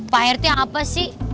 pak rt apa sih